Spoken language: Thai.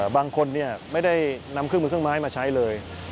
บางคนไม่ได้นำเครื่องมือเครื่องไม้มาใช้เลย